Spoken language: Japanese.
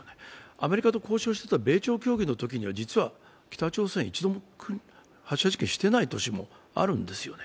アメリカと交渉してた米朝協議のときには北朝鮮、一度も発射実験していない年もあるんですよね。